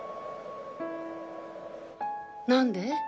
何で？